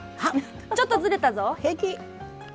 ちょっとずれたぞ。